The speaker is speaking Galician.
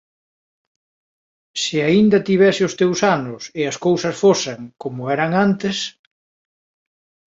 Se aínda tivese os teus anos e as cousas fosen como eran antes...